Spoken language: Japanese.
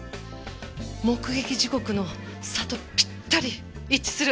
目撃時刻の差とぴったり一致する！